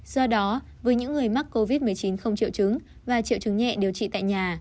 do đó với những người mắc covid một mươi chín không triệu chứng và triệu chứng nhẹ điều trị tại nhà